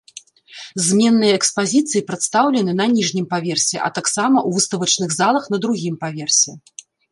Зменныя экспазіцыі прадстаўлены на ніжнім паверсе, а таксама ў выставачных залах на другім паверсе.